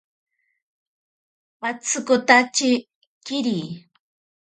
Atsikotache kiri.